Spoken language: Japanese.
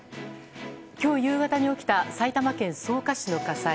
今日夕方に起きた埼玉県草加市の火災。